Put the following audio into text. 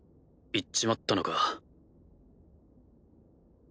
逝っちまったのか。